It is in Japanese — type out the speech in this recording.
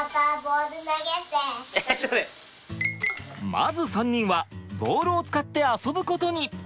まず３人はボールを使って遊ぶことに。